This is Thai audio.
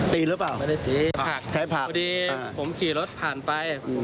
ตีรึเปล่าใช้ผักอันนี้ผมขี่รถผ่านไป